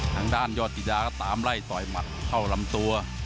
ทางด้านยอดจิดาก็ตามไล่ต่อยหมัดเข้าลำตัว